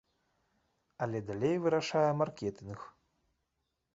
Але далей вырашае маркетынг.